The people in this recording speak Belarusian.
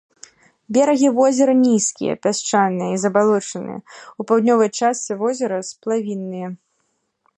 Берагі возера нізкія, пясчаныя і забалочаныя, у паўднёвай частцы возера сплавінныя.